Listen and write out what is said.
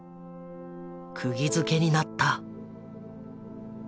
くぎづけになった。